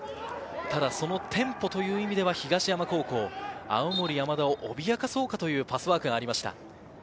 ただ、そのテンポという意味では東山高校、青森山田を脅かそうかというパスワークがありました。